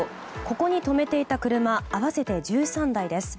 ここに止めていた車合わせて１３台です。